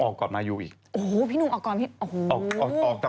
เขาอยากให้พี่หนุ่มไปรับ